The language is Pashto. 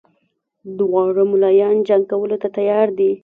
دواړه ملایان جنګ کولو ته تیار دي.